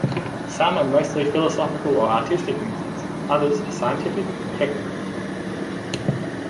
Some are mostly philosophical or artistic musings, others are scientific and technical.